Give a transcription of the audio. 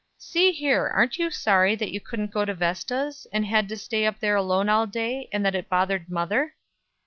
"See here, aren't you sorry that you couldn't go to Vesta's, and had to stay up there alone all day, and that it bothered mother?"